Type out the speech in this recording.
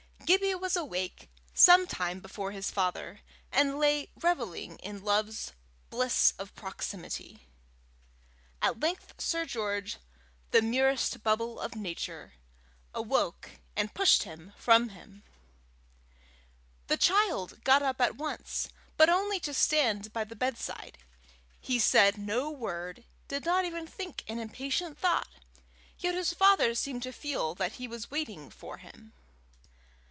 Gibbie was awake some time before his father, and lay revelling in love's bliss of proximity. At length Sir George, the merest bubble of nature, awoke, and pushed him from him. The child got up at once, but only to stand by the bed side. He said no word, did not even think an impatient thought, yet his father seemed to feel that he was waiting for him.